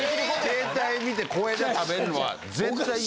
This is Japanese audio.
携帯見て小枝食べんのは絶対家。